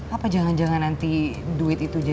apa jangan jangan nanti duitnya